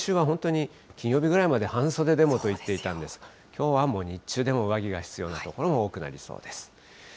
日中も先週は本当に金曜日ぐらいまで半袖ぐらいでもと言っていたんですが、きょうはもう、日中でも上着が必要な所も多くなりそうです。